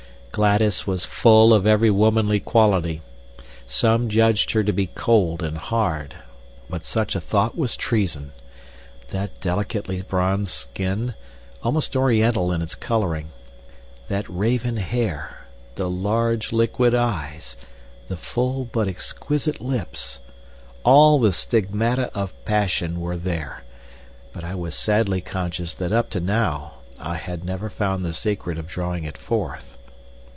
Gladys was full of every womanly quality. Some judged her to be cold and hard; but such a thought was treason. That delicately bronzed skin, almost oriental in its coloring, that raven hair, the large liquid eyes, the full but exquisite lips, all the stigmata of passion were there. But I was sadly conscious that up to now I had never found the secret of drawing it forth.